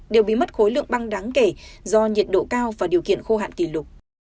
đều bị mất khối lượng băng đáng kể do nhiệt độ cao và điều kiện khô hạn kỷ lục